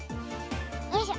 よいしょ。